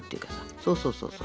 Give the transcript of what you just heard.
そうそうそうそう。